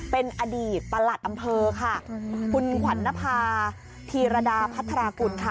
เป็นอดีตประหลัดอำเภอค่ะคุณขวัญนภาธีรดาพัฒนากุลค่ะ